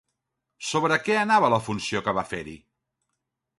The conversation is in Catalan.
Sobre què anava la funció que va fer-hi?